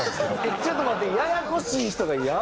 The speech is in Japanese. ちょっと待って。